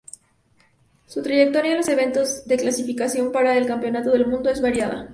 Su trayectoria en los eventos de clasificación para el Campeonato del Mundo es variada.